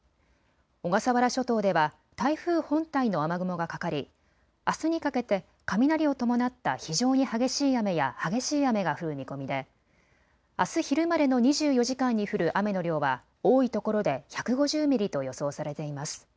小笠原諸島では台風本体の雨雲がかかりあすにかけて雷を伴った非常に激しい雨や激しい雨が降る見込みであす昼までの２４時間に降る雨の量は多いところで１５０ミリと予想されています。